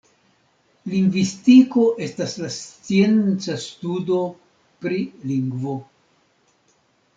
Lingvistiko estas la scienca studo pri lingvo.